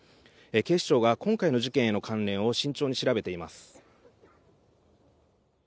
警視庁が今回の事件への関連を慎重に調べています。